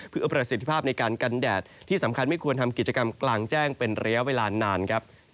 เพื่อประสิทธิภาพในการกันแดดที่สำคัญไม่ควรทำกิจกรรมกลางแจ้งเป็นระยะเวลานานครับ